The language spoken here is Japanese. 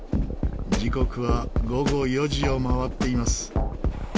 時刻は午後４時を回っています。